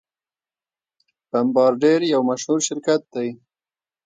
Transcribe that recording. بمبارډیر یو مشهور شرکت دی.